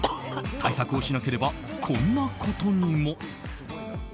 対策をしなければこんなことにも。